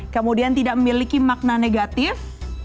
kemudian tidak memiliki makna negatif